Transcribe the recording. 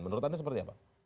menurut anda seperti apa